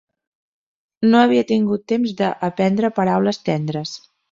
No havia tingut temps de aprendre paraules tendres